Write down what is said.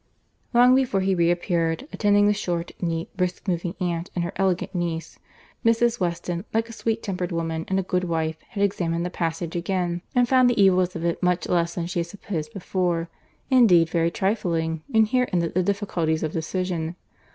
Long before he reappeared, attending the short, neat, brisk moving aunt, and her elegant niece,—Mrs. Weston, like a sweet tempered woman and a good wife, had examined the passage again, and found the evils of it much less than she had supposed before—indeed very trifling; and here ended the difficulties of decision.